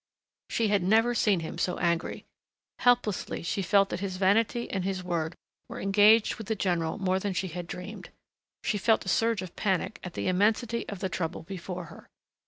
She had never seen him so angry. Helplessly she felt that his vanity and his word were engaged with the general more than she had dreamed. She felt a surge of panic at the immensity of the trouble before her.